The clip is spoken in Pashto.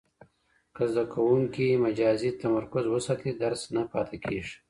که زده کوونکی مجازي تمرکز وساتي، درس نه پاته کېږي.